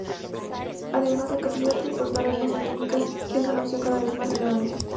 Además la capacidad de transportar armas atómicas es una opción cada vez más relevante.